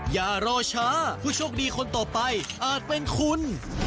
อย่ารอช้าผู้โชคดีคนต่อไปอาจเป็นคุณ